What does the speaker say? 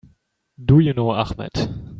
Do you know Ahmed?